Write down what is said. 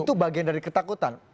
itu bagian dari ketakutan